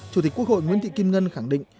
chủ tịch quốc hội nguyễn thị kim ngân khẳng định